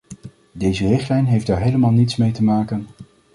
Deze richtlijn heeft daar helemaal niets mee te maken.